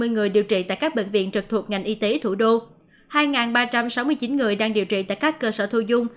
hai mươi người điều trị tại các bệnh viện trực thuộc ngành y tế thủ đô hai ba trăm sáu mươi chín người đang điều trị tại các cơ sở thu dung